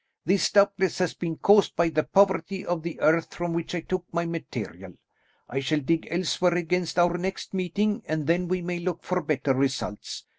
This doubtless has been caused by the poverty of the earth from which I took my material. I shall dig elsewhere against our next meeting, and then we may look for better results.